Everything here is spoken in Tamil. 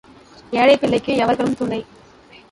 ஏழைப் பிள்ளைக்கு எவர்களும் துணை.